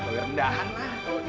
baga rendahan lah